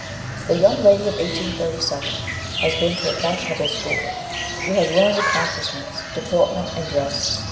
"The young lady of 1837 has been to a fashionable school; she has learned accomplishments, deportment and dress.